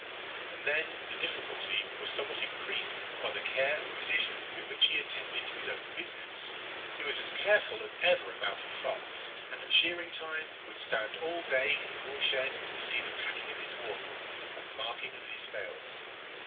And then the difficulty was somewhat increased by the care and precision with which he attended to his own business. He was as careful as ever about his flocks, and at shearing time would stand all day in the wool shed to see to the packing of his wool and the marking of his bales.